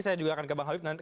saya juga akan ke bang habib